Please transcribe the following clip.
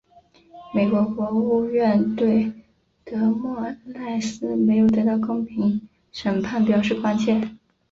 美国国务院对德莫赖斯没有得到公平审判表示关切。